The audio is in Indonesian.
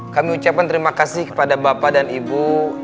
kami ucapkan terima kasih kepada bapak dan ibu